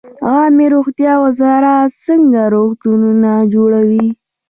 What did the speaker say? عامې روغتیا وزارت څنګه روغتونونه جوړوي؟